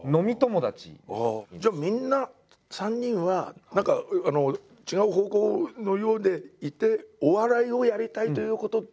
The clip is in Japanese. じゃあみんな３人は違う方向のようでいてお笑いをやりたいということだけが共通であって。